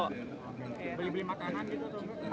beli beli makanan gitu